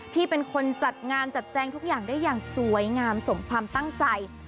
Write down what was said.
ที่เป็นคนจัดงานจัดแจงทุกอย่างได้อย่างสวยงามสมความตั้งใจ